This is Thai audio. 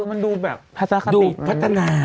มันดูแบบดูพัฒนา